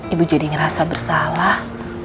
ibu jadi ngerasa bersalah